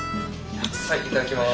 さあいただきます。